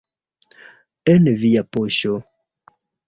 En via poŝo.